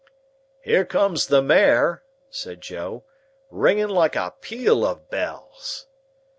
"Here comes the mare," said Joe, "ringing like a peal of bells!"